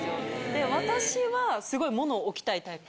で私はすごい物を置きたいタイプ。